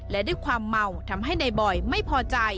และด้วยความเมาทำให้นายบอยไม่พอใจ